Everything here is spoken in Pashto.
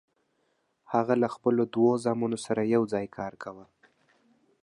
هغه له خپلو دوو زامنو سره یوځای کار کاوه.